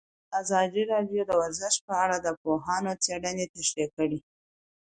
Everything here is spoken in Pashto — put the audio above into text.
ازادي راډیو د ورزش په اړه د پوهانو څېړنې تشریح کړې.